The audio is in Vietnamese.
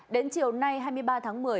đến chiều nay hai mươi ba tháng một mươi